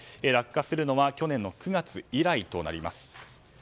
落下するのは去年の９月以来となります。